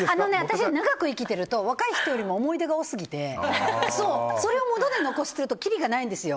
長く生きてると若い人よりも思い出が多すぎてそれを物で残しているときりがないんですよ。